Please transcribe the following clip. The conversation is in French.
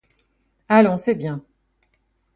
Allons, c'est bien !